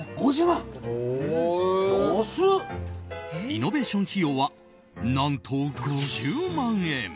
リノベーション費用は何と５０万円。